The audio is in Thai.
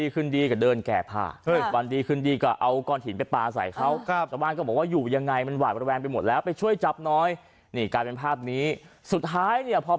กำลังไปช่วยการปิดร้อม